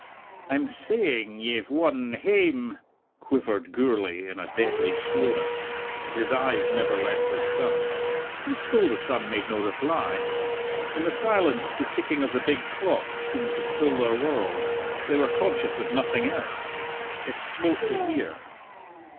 "I'm saying ... ye've won hame!" quivered Gourlay in a deadly slowness, and his eyes never left his son. And still the son made no reply. In the silence the ticking of the big clock seemed to fill their world. They were conscious of nothing else. It smote the ear.